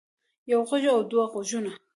يو غوږ او دوه غوږونه